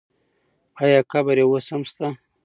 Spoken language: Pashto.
آیا قبر یې اوس هم شته؟